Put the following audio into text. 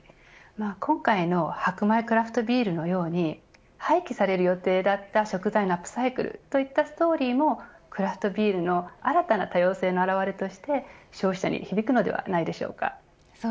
今回の箔米クラフトビールのように廃棄される予定だった食材のアップサイクルといったストーリーもクラフトビールの新たな多様性の表れとして消費者に響くのではないでしょうか。